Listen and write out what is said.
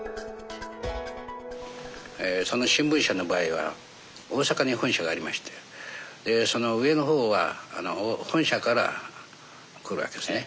その新聞社の場合は大阪に本社がありましてその上の方は本社から来るわけですね。